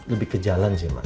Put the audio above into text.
lebih ke jalan sih mas